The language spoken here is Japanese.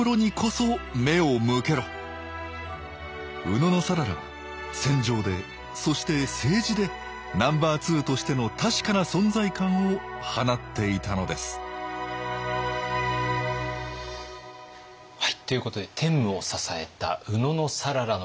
野讃良は戦場でそして政治でナンバーツーとしての確かな存在感を放っていたのですはいということで天武を支えた野讃良の活躍を見てまいりました。